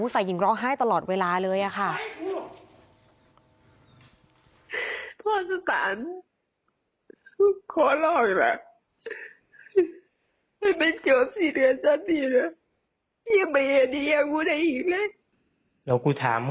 ฝ่ายหญิงร้องไห้ตลอดเวลาเลยค่ะ